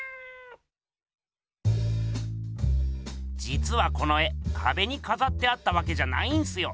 じつはこの絵かべにかざってあったわけじゃないんすよ。